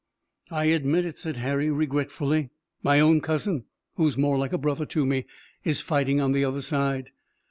"I admit it," said Harry regretfully. "My own cousin, who was more like a brother to me, is fighting on the other side.